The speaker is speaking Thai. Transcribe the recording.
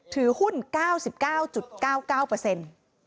ถือหุ้น๙๙๙๙